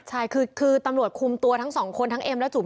ใช่คือตำรวจคุมตัวทั้งสองคนทั้งเอ็มและจุ๋ม